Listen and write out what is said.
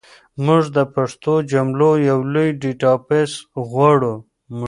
موږ د پښتو جملو یو لوی ډیټابیس غواړو.